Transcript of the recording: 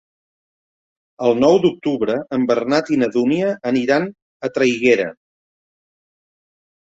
El nou d'octubre en Bernat i na Dúnia aniran a Traiguera.